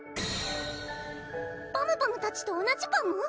パムパムたちと同じパム？